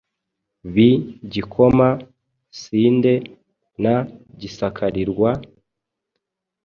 Bi Gikoma-sinde na Gisakarirwa*.